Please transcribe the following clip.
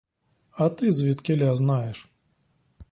А ти звідкіля знаєш?